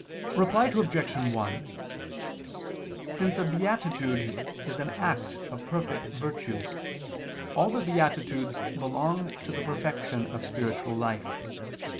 Reply Obj. 1: Since a beatitude is an act of perfect virtue, all the beatitudes belong to the perfection of spiritual life.